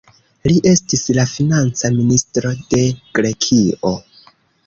Li estis la Financa Ministro de Grekio.